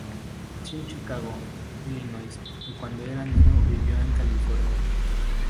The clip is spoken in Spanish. Nació en Chicago, Illinois y cuando era niño vivió en California.